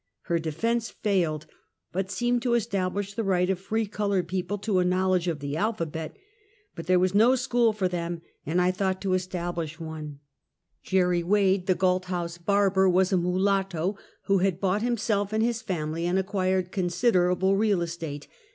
Her de fense failed, but seemed to establish the right of free colored people to a knowledge of the alphabet, but there was no school for them, and I thought to estab lish one. 62 Half a Century. Jerry Wade, the Gault Hon.se barber, was a mulatto, who had bought himself and family, and acquired con siderable real estate.